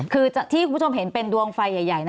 คือที่คุณผู้ชมเห็นเป็นดวงไฟใหญ่